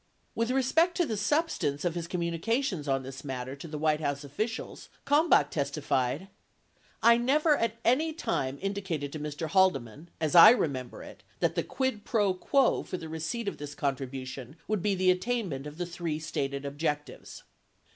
76 With respect to the substance of his communications on this matter to White, House officials, Kalmbach testified : I never at any time indicated to Mr. Haldeman, as I remem ber it, that the quid fro quo for the receipt of this contribution would be the attainment of the three stated objectives.